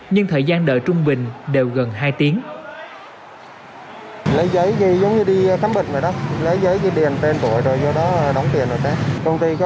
nhưng thời gian đợi trung bình đều gần hai tiếng